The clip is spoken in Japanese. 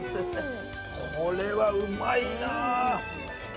これは、うまいなぁ。